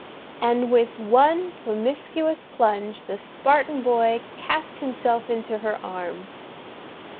And with one promiscuous plunge the Spartan boy cast himself into her arms.